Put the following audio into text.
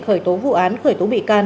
khởi tố vụ án khởi tố bị can